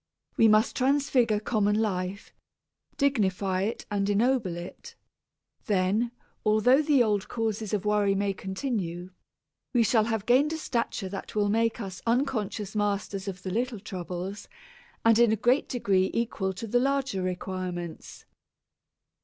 We must transfigure common life, dignify it and ennoble it; then, although the old causes of worry may continue, we shall have gained a stature that will make us unconscious masters of the little troubles and in a great degree equal to the larger requirements.